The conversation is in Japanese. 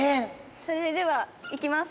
それではいきます。